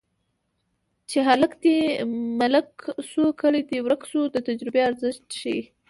چې هلک دې ملک شو کلی دې ورک شو د تجربې ارزښت ښيي